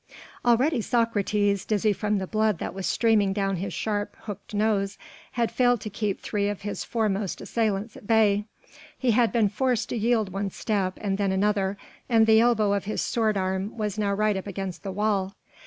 Already Socrates, dizzy from the blood that was streaming down his sharp, hooked nose, had failed to keep three of his foremost assailants at bay: he had been forced to yield one step and then another, and the elbow of his sword arm was now right up against the wall.